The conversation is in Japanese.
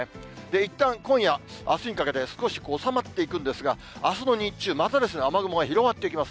いったん今夜、あすにかけて少し収まっていくんですが、あすの日中、また雨雲が広がっていきます。